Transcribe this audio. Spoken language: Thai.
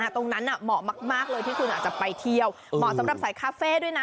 เหมาะมากเลยที่คุณอาจจะไปเที่ยวเหมาะสำหรับสายคาเฟ่ด้วยนะ